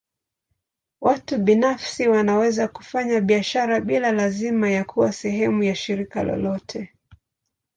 Watu binafsi wanaweza kufanya biashara bila lazima ya kuwa sehemu ya shirika lolote.